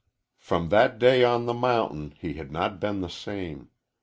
From that day on the mountain he had not been the same.